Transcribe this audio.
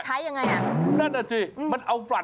จริงเพราะว่าถ้าคนปวดหนักมา